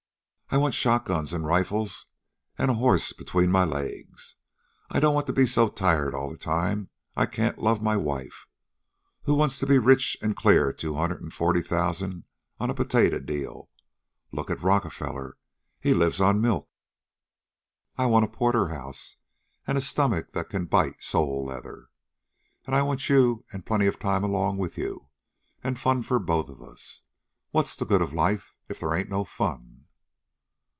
I want shotguns an' rifles, an' a horse between my legs. I don't want to be so tired all the time I can't love my wife. Who wants to be rich an' clear two hundred an' forty thousand on a potato deal! Look at Rockefeller. Has to live on milk. I want porterhouse and a stomach that can bite sole leather. An' I want you, an' plenty of time along with you, an' fun for both of us. What's the good of life if they ain't no fun?"